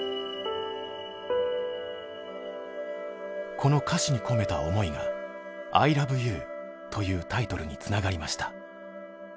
この歌詞に込めた思いが「アイラブユー」というタイトルにつながりました。